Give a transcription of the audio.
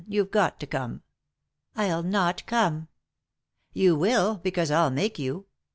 You've got to come." "I'll not come." "You will, because I'll make you."